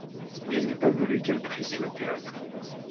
Je n’ai pas voulu qu’elles prissent le théâtre.